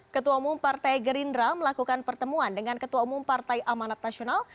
ketua umum partai gerindra melakukan pertemuan dengan ketua umum partai amanat nasional